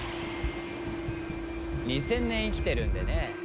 ２０００年生きてるんでね。